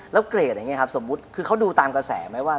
แล้วเกรดครับสมมติคือเขาดูตามกระแสไหมว่า